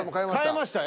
変えました。